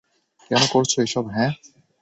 কেন করছো এসব, হ্যাঁ?